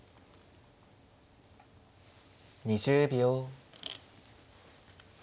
２０秒。